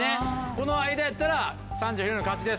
この間やったら３時のヒロインの勝ちです。